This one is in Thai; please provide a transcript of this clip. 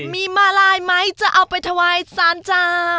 มีมาลายไหมจะเอาไปถวายสารเจ้า